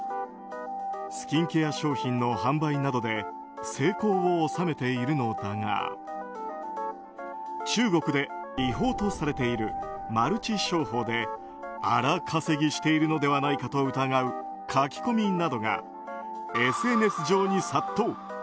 スキンケア商品の販売などで成功を収めているのだが中国で違法とされているマルチ商法で荒稼ぎしているのではないかと疑う書き込みなどがＳＮＳ上に殺到。